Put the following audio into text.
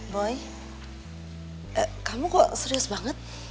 boy kamu kok serius banget